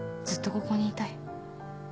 ずっとここにいたい